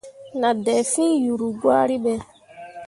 Nah dai fîi yuru gwari ɓe.